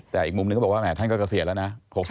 แต่อีกมุมนึงก็บอกว่าแห่ท่านก็เกษียณแล้วนะ